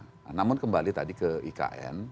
nah namun kembali tadi ke ikn